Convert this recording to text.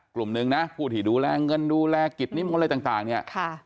กลุ่มหนึ่งนะผู้ที่ดูแลเงินดูแลกิจนิมนต์อะไรต่างเนี่ย